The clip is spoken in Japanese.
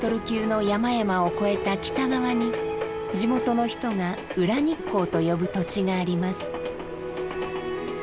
２，０００ｍ級の山々を越えた北側に地元の人が「裏日光」と呼ぶ土地があります。